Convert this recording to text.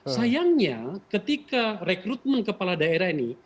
sayangnya ketika rekrutmen kepala daerah ini